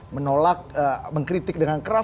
menolak mengkritik dengan keras